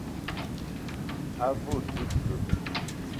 A ve o te ke ?